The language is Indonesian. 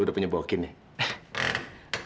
semakin gampang gelap